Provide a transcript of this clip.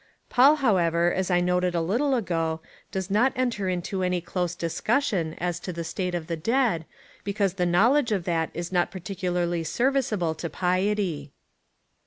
Paul, however, as I noticed a little ago, does not enter into any close discussion as to the state of the dead, because the knowledge of that is not particularly ser viceable to piety.